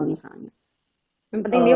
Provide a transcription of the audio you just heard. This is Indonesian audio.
misalnya yang penting dia